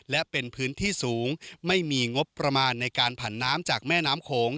และเป็นพื้นที่สูงไม่มีงบประมาณในการผันน้ำจากแม่น้ำโขง